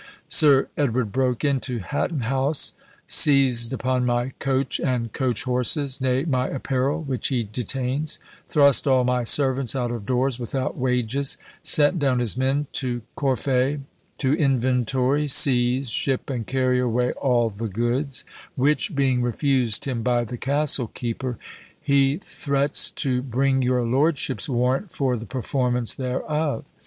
"Sir Edward broke into Hatton House, seased upon my coach and coach horses, nay, my apparel, which he detains; thrust all my servants out of doors without wages; sent down his men to Corfe to inventory, seize, ship, and carry away all the goods, which being refused him by the castle keeper, he threats to bring your lordship's warrant for the performance thereof.